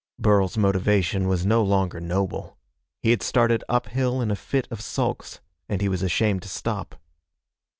Burl's motivation was no longer noble. He had started uphill in a fit of sulks, and he was ashamed to stop.